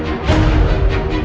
aku mau pergi